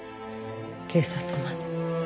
警察まで。